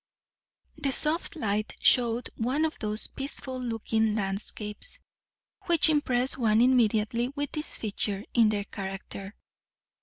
The soft light showed one of those peaceful looking landscapes which impress one immediately with this feature in their character.